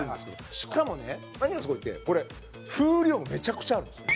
しかもね、何がすごいって、これ風量めちゃくちゃあるんですよ。